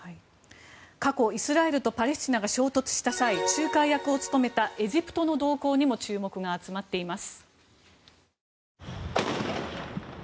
過去イスラエルとパレスチナが衝突した際仲介役を務めたエジプトの動向にも注目が集まっています。